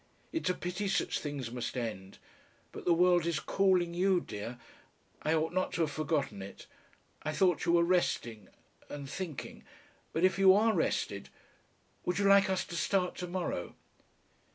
It's a pity such things must end. But the world is calling you, dear.... I ought not to have forgotten it. I thought you were resting and thinking. But if you are rested. Would you like us to start to morrow?"